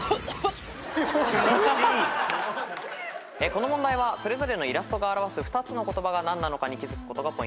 この問題はそれぞれのイラストが表す２つの言葉が何なのかに気付くことがポイントです。